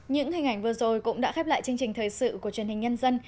những hình ảnh vừa rồi cũng đã khép lại chương trình thời sự của truyền hình nhân dân